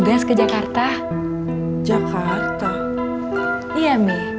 baz kemen guard qxa